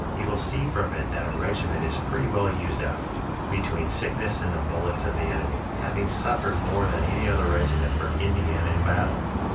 You will see from it that our regiment is pretty well used up, between sickness and the bullets of the enemy, having suffered more than any other regiment from Indiana in battle.